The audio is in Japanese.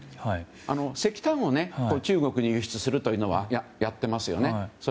石炭を中国に輸出するというのはやってますよね。